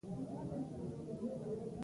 د سوات د اخوند صاحب او سید اکبر شاه تحریک وو.